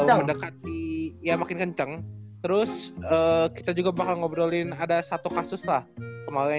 makin kenceng ya makin kenceng terus kita juga bakal ngobrolin ada satu kasus lah kemaren kita kan ini juga ya